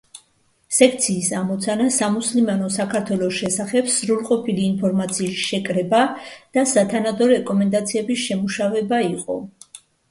სექციის ამოცანა „სამუსლიმანო საქართველოს“ შესახებ სრულყოფილი ინფორმაციის შეკრება და სათანადო რეკომენდაციების შემუშავება იყო.